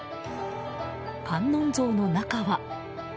観音像の中は。